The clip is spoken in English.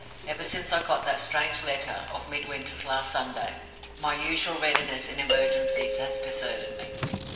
Ever since I got that strange letter of Midwinter's last Sunday, my usual readiness in emergencies has deserted me.